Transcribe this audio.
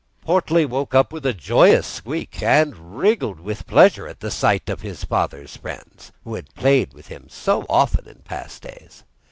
Portly woke up with a joyous squeak, and wriggled with pleasure at the sight of his father's friends, who had played with him so often in past days.